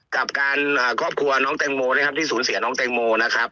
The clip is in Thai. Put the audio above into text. กับการครอบครัวน้องแตงโมนะครับที่สูญเสียน้องแตงโมนะครับ